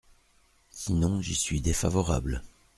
Sinon, j’y suis défavorable.